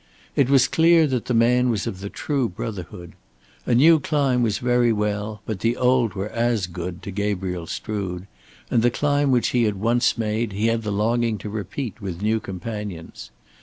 It was clear that the man was of the true brotherhood. A new climb was very well, but the old were as good to Gabriel Strood, and the climb which he had once made he had the longing to repeat with new companions.